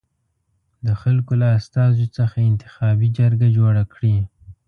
د خلکو له استازیو څخه انتخابي جرګه جوړه کړي.